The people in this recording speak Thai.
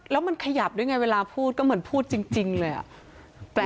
แล้วมันขยับด้วยไงเวลาพูดก็เหมือนพูดจริงเลย